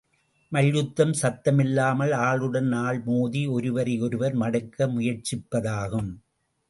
மல்யுத்தம் சத்தமில்லாமல் ஆளுடன் ஆள் மோதி, ஒருவரை ஒருவர் மடக்க முயற்சிப்பதாகும்.